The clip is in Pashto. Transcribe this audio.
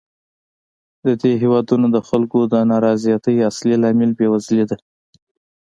د دې هېوادونو د خلکو د نا رضایتۍ اصلي لامل بېوزلي ده.